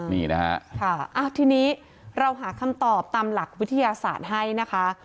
นี่นะคะทีนี้เราหาคำตอบตามหลักวิทยาศาสตร์ให้นะคะ